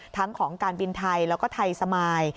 ทั้งของการบินไทยและไทยสมาน